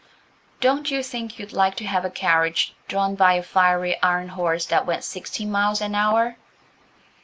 Don't you think you'd like to have a carriage drawn by a fiery iron horse that went sixty miles an hour?"